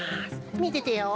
みててよ。